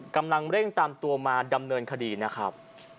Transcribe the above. กำลังเร่งตามตัวมาดำเนินคดีนะครับ